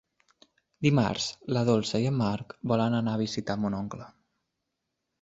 Dimarts na Dolça i en Marc volen anar a visitar mon oncle.